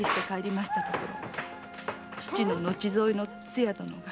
父の後添えのつや殿が。